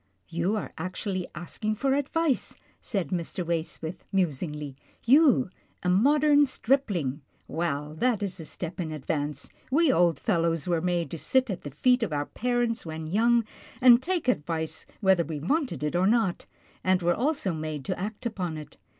" You are actually asking for advice," said Mr. •Waysmith, musingly, " you, a modern stripling. Well, that is a step in advance. We old fellows were made to sit at the feet of our parents when young, and take advice whether we wanted it or not, and were also made to act upon it.